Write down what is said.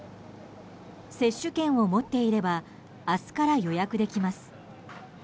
接種券を持っていれば明日から予約できます。